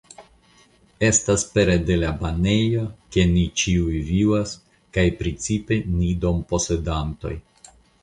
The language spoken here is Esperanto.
Estas pere de la banejo, ke ni ĉiuj vivas, kaj precipe ni domposedantoj.